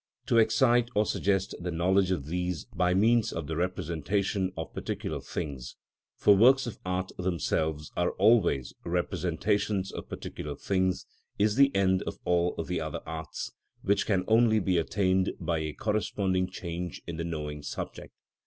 To excite or suggest the knowledge of these by means of the representation of particular things (for works of art themselves are always representations of particular things) is the end of all the other arts, which can only be attained by a corresponding change in the knowing subject.